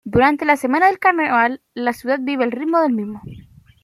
Durante la semana del carnaval la ciudad vive al ritmo del mismo.